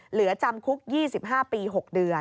เหลือจำคุก๒๕ปี๖เดือน